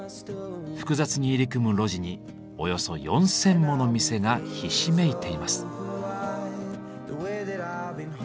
複雑に入り組む路地におよそ４，０００もの店がひしめいています。